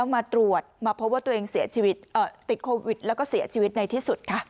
มาตรวจเพราะว่าตัวเองติดโควิดแล้วเสียชีวิตในที่สุด